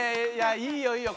いいよいいよ